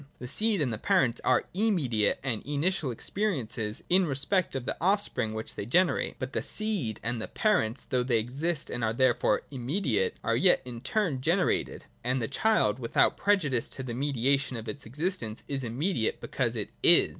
The seed and the parents are immediate and initial existences in respect of the off spring which they generate. But the seed and the parents, though they exist and are therefore immediate, are yet in their turn generated : and the child, without prejudice to the mediation of its existence, is immediate, because it is.